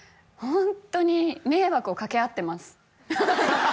ホントに迷惑をかけ合ってます